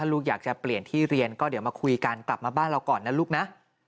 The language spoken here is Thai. ลูกอยากจะเปลี่ยนที่เรียนก็เดี๋ยวมาคุยกันกลับมาบ้านเราก่อนนะลูกนะ